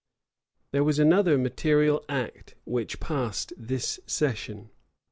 There was another material act which passed this session.